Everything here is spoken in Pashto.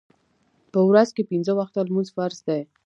په ورځ کې پنځه وخته لمونځ فرض دی